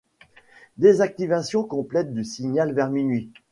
Désactivation complète du signal vers minuit.